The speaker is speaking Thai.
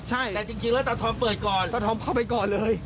ใช่แต่จริงแล้วตาทอมเปิดก่อนตาทอมเข้าไปก่อนเลย